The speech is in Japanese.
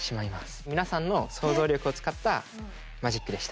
皆さんの想像力を使ったマジックでした。